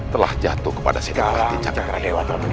telah jatuh kepada sedekah di cakera